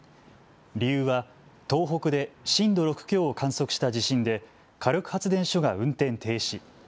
理由は東北で震度６強を観測した地震で火力発電所が運転停止。